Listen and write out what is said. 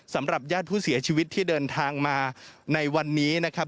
สำหรับญาติผู้เสียชีวิตที่เดินทางมาในวันนี้นะครับ